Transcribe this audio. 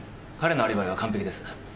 彼のアリバイは完璧です。